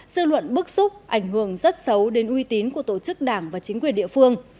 dư luận bức xúc ảnh hưởng rất xấu đến uy tín của tổ chức đảng và chính quyền địa phương